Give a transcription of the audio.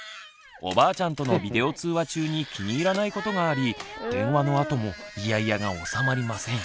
おばあちゃんとのビデオ通話中に気に入らないことがあり電話のあともイヤイヤが収まりません。